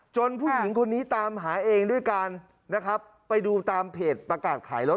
ผู้หญิงคนนี้ตามหาเองด้วยกันนะครับไปดูตามเพจประกาศขายรถ